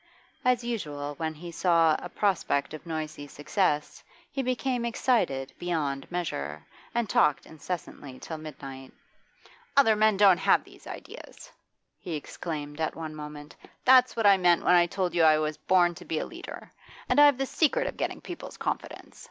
As usual when he saw a prospect of noisy success he became excited beyond measure, and talked incessantly till midnight. 'Other men don't have these ideas!' he exclaimed at one moment. 'That's what I meant when I told you I was born to be a leader. And I've the secret of getting people's confidence.